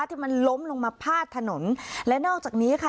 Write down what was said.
ที่มันล้มลงมาพาดถนนและนอกจากนี้ค่ะ